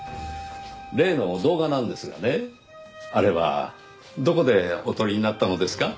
例の動画なんですがねあれはどこでお撮りになったのですか？